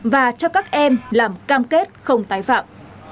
và cho các em làm cam kết không tái phạm